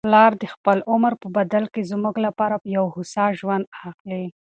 پلار د خپل عمر په بدل کي زموږ لپاره یو هوسا ژوند اخلي.